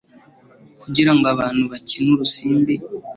kugira ngo abantu bakine urusimbi